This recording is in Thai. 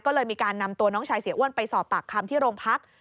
ก็เลยมีการนำตัวน้องชายเสียอ้วนไปสอบปากคำที่โรงพัก